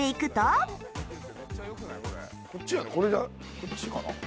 こっちかな？